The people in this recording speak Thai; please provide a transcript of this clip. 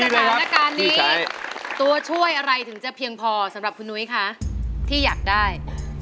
สถานการณ์นี้ตัวช่วยอะไรถึงจะเพียงพอสำหรับคุณนุ้ยคะที่อยากได้